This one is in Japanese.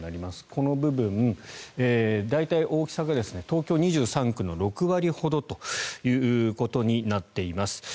この部分、大体大きさが東京２３区の６割ほどということになっています。